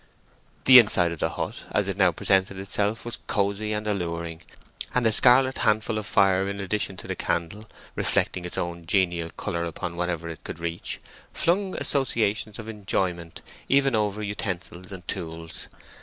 The inside of the hut, as it now presented itself, was cosy and alluring, and the scarlet handful of fire in addition to the candle, reflecting its own genial colour upon whatever it could reach, flung associations of enjoyment even over utensils and tools.